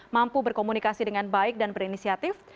mampu berkomunikasi dengan baik dan berinisiatif